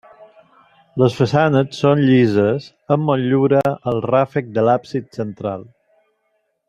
Les façanes són llises, amb motllura al ràfec de l'absis central.